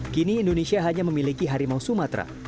kini indonesia hanya memiliki harimau sumatera